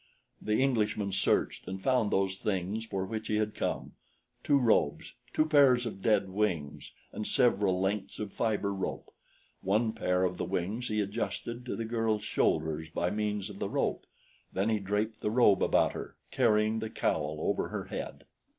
The Englishman searched and found those things for which he had come two robes, two pairs of dead wings and several lengths of fiber rope. One pair of the wings he adjusted to the girl's shoulders by means of the rope. Then he draped the robe about her, carrying the cowl over her head.